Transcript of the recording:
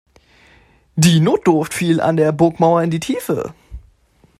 Die Notdurft fiel an der Burgmauer in die Tiefe.